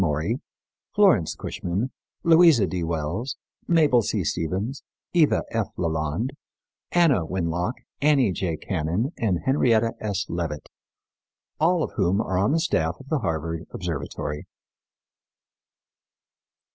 Maury, Florence Cushman, Louisa D. Wells, Mabel C. Stephens, Eva F. Leland, Anna Winlock, Annie J. Cannon and Henrietta S. Leavitt, all of whom are on the staff of the Harvard Observatory.